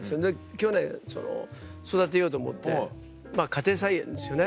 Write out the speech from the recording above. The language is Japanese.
去年その育てようと思ってまぁ家庭菜園ですよね。